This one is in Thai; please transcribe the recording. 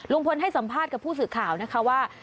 ให้สัมภาษณ์กับผู้สื่อข่าวนะคะว่า